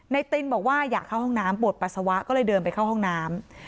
ตินบอกว่าอยากเข้าห้องน้ำปวดปัสสาวะก็เลยเดินไปเข้าห้องน้ำ